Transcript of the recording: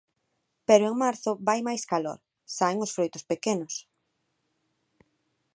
Pero en marzo vai máis calor, saen os froitos pequenos.